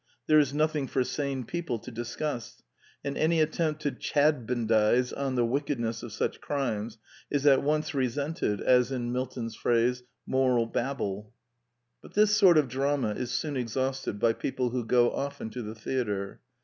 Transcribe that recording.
There is nothing for sane people to discuss; and any at tempt to Chadbandize on the wickedness of such crimes is at once resented as, in Milton's phrase, " moral babble." But this sort of drama is soon exhausted by people who go often to the theatre.